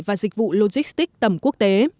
và dịch vụ logistic tầm quốc tế